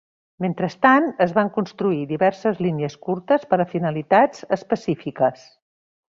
Mentrestant, es van construir diverses línies curtes per a finalitats específiques.